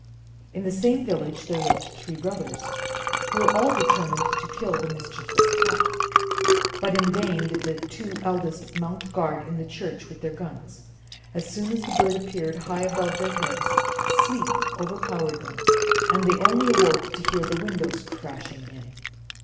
In the same village there lived three brothers, who were all determined to kill the mischievous hawk. But in vain did the two eldest mount guard in the church with their guns; as soon as the bird appeared high above their heads sleep overpowered them, and they only awoke to hear the windows crashing in.